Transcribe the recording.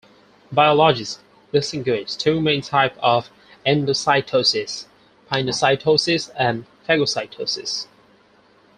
Biologists distinguish two main types of endocytosis: pinocytosis and phagocytosis.